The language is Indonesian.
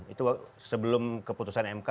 itu sebelum keputusan mk